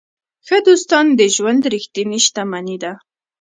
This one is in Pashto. ښه دوستان د ژوند ریښتینې شتمني ده.